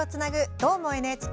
「どーも、ＮＨＫ」。